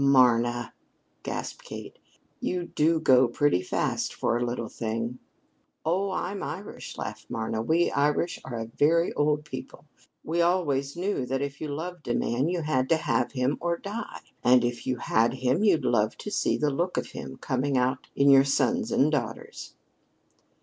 "Marna!" gasped Kate. "You do go pretty fast for a little thing." "Oh, I'm Irish," laughed Marna. "We Irish are a very old people. We always knew that if you loved a man, you had to have him or die, and that if you had him, you'd love to see the look of him coming out in your sons and daughters."